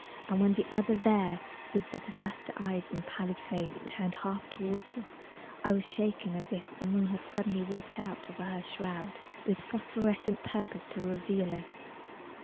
And when the other, there, With the disaster eyes and pallid face, Turned half toward us, I was shaken as if The moon had suddenly walked out of her shroud With phosphorescent purpose to reveal us.